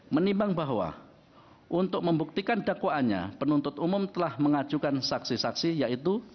menimbang bahwa untuk membuktikan dakwaannya penuntut umum telah mengajukan saksi saksi yaitu